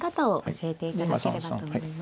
教えていただければと思います。